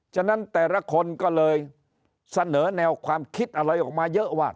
ฉะนั้นแต่ละคนก็เลยเสนอแนวความคิดอะไรออกมาเยอะว่า